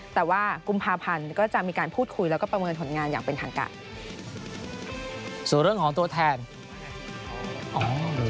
แต่ว่ากุมภาพันธ์ก็จะมีการพูดคุยแล้วก็ประเมินผลงานอย่างเป็นทางการ